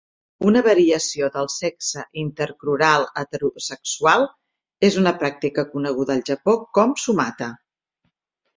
Una variació del sexe intercrural heterosexual és una pràctica coneguda al Japó com sumata.